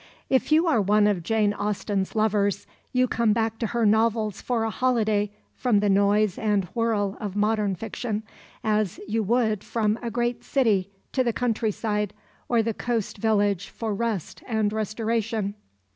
If you are one of Jane Austen's lovers, you come back to her novels for a holiday from the noise and whirl of modern fiction, as you would come from a great city to the countryside or the coast village for rest and restoration.